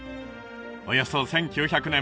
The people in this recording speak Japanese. およそ１９００年